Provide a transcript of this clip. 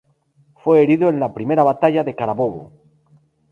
Fue herido en la Primera Batalla de Carabobo.